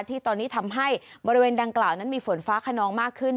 ที่ตอนนี้ทำให้บริเวณดังกล่าวนั้นมีฝนฟ้าขนองมากขึ้น